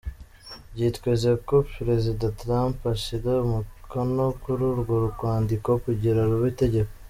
Vyitezwe ko prezida Trump ashira umukono kuri urwo rwandiko kugira rube itegeko.